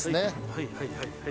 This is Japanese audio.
はいはいはいはい。